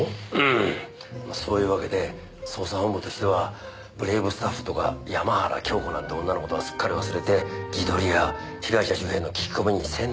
そういうわけで捜査本部としてはブレイブスタッフとか山原京子なんて女の事はすっかり忘れて地取りや被害者周辺の聞き込みに専念する事になりました。